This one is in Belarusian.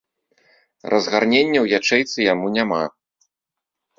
Разгарнення ў ячэйцы яму няма.